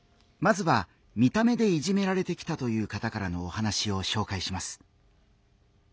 まずは見た目でいじめられてきたという方からのお話を紹介します。